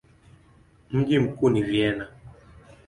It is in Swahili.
Mji mkuu ni Vienna.